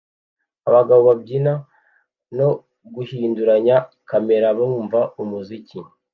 Abagabo babyina no guhinduranya kamera bumva umuziki